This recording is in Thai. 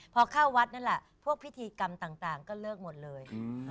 พอเข้าวัดนั้นผศพิธีกรรมต่างถิ่งเริ่มหมดเลย